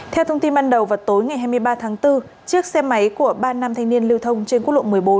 theo thông tin ban đầu vào tối ngày hai mươi ba tháng bốn chiếc xe máy của ba nam thanh niên lưu thông trên quốc lộ một mươi bốn